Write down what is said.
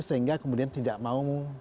sehingga kemudian tidak mau